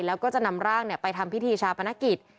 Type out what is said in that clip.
แล้วก็จะนำร่างไปทำพิธีชาปนกิจ